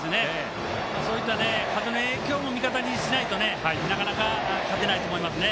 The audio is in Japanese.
そういった風の影響も味方にしないと、なかなか勝てないと思いますね。